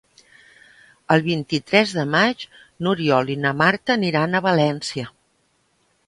El vint-i-tres de maig n'Oriol i na Marta aniran a València.